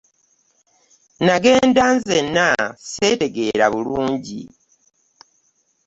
Nagenda nzenna sseetegeera bulungi.